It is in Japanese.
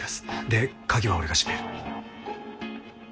で鍵は俺が閉める。